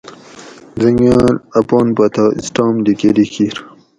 حٔنگال اپان پتہ اسٹام لیکلی کِیر